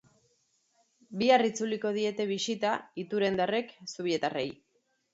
Bihar itzuliko diete bisita iturendarrek zubietarrei.